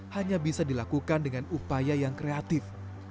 hanya bisa dilakukan dengan upaya yang kreatif